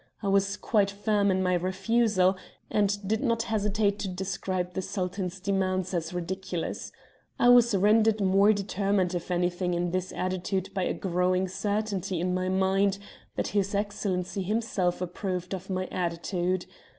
I was quite firm in my refusal, and did not hesitate to describe the Sultan's demands as ridiculous. I was rendered more determined, if anything, in this attitude by a growing certainty in my mind that his Excellency himself approved of my attitude.